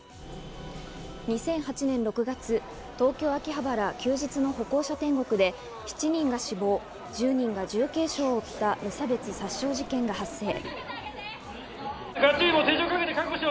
２００８年６月、東京・秋葉原、休日の歩行者天国で７人が死亡、１０人が重軽傷を負った無差別殺傷事件が発生。